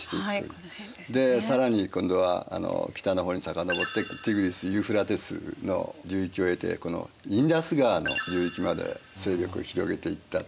更に今度は北の方に遡ってティグリス・ユーフラテスの流域を経てこのインダス川の流域まで勢力を広げていったと。